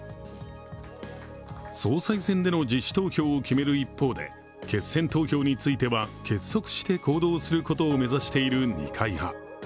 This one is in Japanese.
総裁選での自主投票を決める一方で決選投票については結束して行動することを目指している二階派。